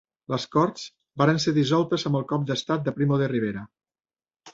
Les Corts varen ser dissoltes amb el cop d'Estat de Primo de Rivera.